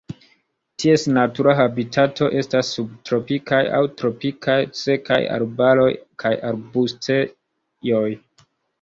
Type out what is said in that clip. Ties natura habitato estas subtropikaj aŭ tropikaj sekaj arbaroj kaj arbustejoj.